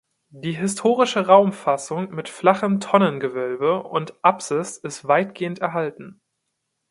Die historische Raumfassung mit flachem Tonnengewölbe und Apsis ist weitgehend erhalten.